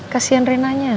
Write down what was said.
kasian reina nya